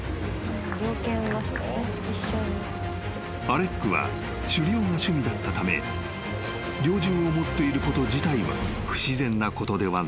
［アレックは狩猟が趣味だったため猟銃を持っていること自体は不自然なことではない］